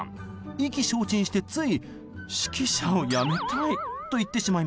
意気消沈してつい「指揮者をやめたい」と言ってしまいました。